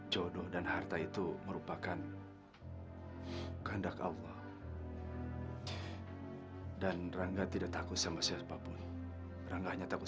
jodoh dan harta itu merupakan gandak allah dan rangka tidak takut sama siapa pun rangka hanya takut